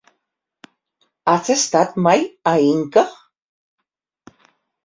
Has estat mai a Inca?